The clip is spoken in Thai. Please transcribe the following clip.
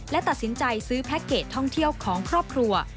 และตัดสินใจซื้อแพ็คเกจท่องเที่ยวของครอบครัว